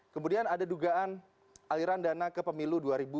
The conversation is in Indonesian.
kemudian ada dugaan aliran dana ke pemerintah